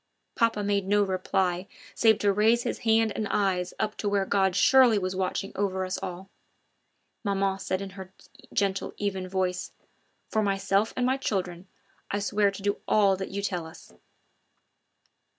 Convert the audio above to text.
Papa made no reply save to raise his hand and eyes up to where God surely was watching over us all. Maman said in her gentle, even voice: "For myself and my children, I swear to do all that you tell us."